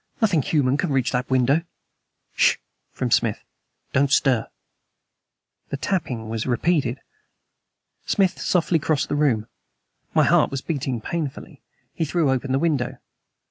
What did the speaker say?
"Nothing human can reach that window!" "S sh!" from Smith. "Don't stir." The tapping was repeated. Smith softly crossed the room. My heart was beating painfully. He threw open the window.